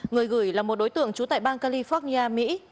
người gửi là một đối tượng trú tại bang california mỹ